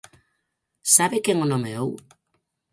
¿Sabe quen o nomeou?